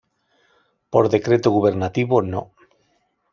Por Decreto Gubernativo No.